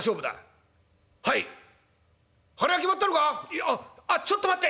「いやあちょっと待って！